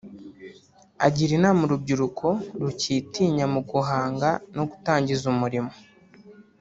Agira inama urubyiruko rucyitinya mu guhanga no gutangiza umurimo